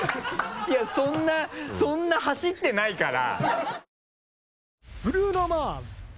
いやそんな走ってないから。